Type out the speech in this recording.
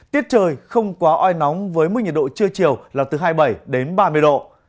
tiết trời không quá oi nóng với mức nhiệt độ trưa chiều là từ hai mươi bảy đến ba mươi độ